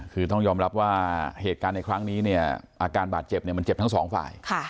คือต้องยอมรับว่าเหตุการณ์ในครั้งนี้เนี่ยอาการบาดเจ็บมันเจ็บทั้งสองฝ่าย